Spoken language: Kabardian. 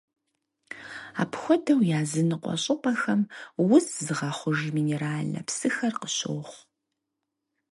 Апхуэдэу языныкъуэ щӀыпӀэхэм уз зыгъэхъуж минеральнэ псыхэр къыщохъу.